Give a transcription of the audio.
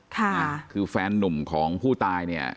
ค่ะคือแฟนนุ่มของผู้ตายเนี่ย